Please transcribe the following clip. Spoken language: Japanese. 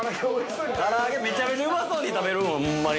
から揚げ、めちゃめちゃうまそうに食べるわ、ほんまに。